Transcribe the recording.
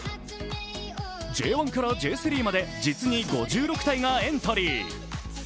Ｊ１からＪ３まで実に５６体がエントリー。